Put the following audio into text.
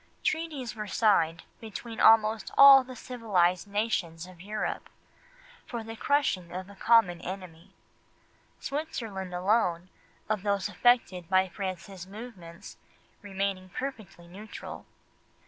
Treaties were signed between almost all the civilised nations of Europe, for the crushing of a common enemy; Switzerland alone, of those affected by France's movements, remaining perfectly neutral.